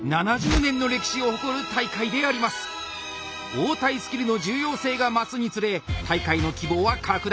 応対スキルの重要性が増すにつれ大会の規模は拡大。